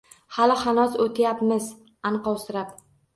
Hali hanuz oʼtayapmiz anqovsirab